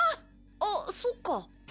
あっそうか。